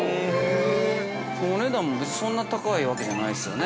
◆お値段もそんなに高いわけじゃないですよね。